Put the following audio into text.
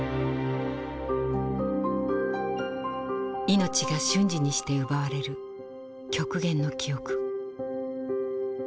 命が瞬時にして奪われる極限の記憶。